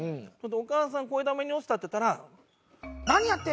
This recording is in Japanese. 「お母さん肥溜めに落ちた」って言ったら。